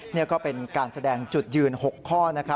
นี่ก็เป็นการแสดงจุดยืน๖ข้อ